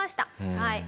はい。